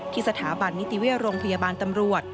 ที่สถาบันนิติเวียรงค์พยาบาลตำรวจ